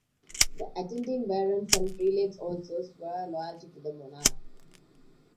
The attending barons and prelates also swore loyalty to the monarch.